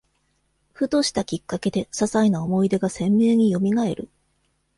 ふとしたきっかけで、ささいな思い出が鮮明によみがえる